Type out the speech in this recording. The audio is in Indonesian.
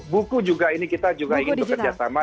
buku juga ini kita juga ingin bekerja sama